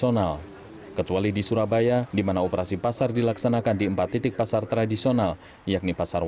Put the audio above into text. untuk lima hari ke depan yang menjadi prioritas untuk distabilkan harganya adalah gula pasir